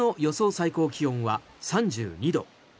最高気温は３２度。